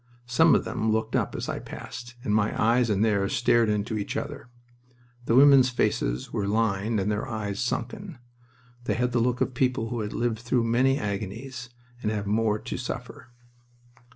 Some of them looked up as I passed, and my eyes and theirs stared into each other. The women's faces were lined and their eyes sunken. They had the look of people who have lived through many agonies and have more to suffer.